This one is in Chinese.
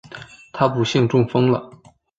她不幸中风了